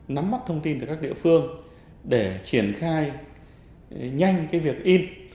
nắm mắt thông tin từ các địa phương để triển khai nhanh việc in